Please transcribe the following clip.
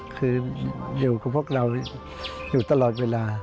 คืออยู่กับพวกเราอยู่ตลอดเวลา